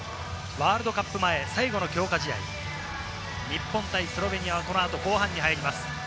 ワールドカップ前最後の強化試合、日本対スロベニアはこのあと後半に入ります。